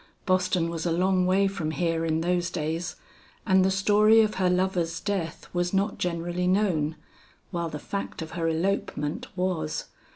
Boston was a long way from here in those days, and the story of her lover's death was not generally known, while the fact of her elopement was.